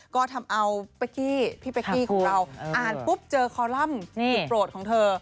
ก็ทำเอาเป๊กกี้พี่เป๊กกี้ของเราอ่านปุ๊บเจอคอลัมป์สุดโปรดของเธอ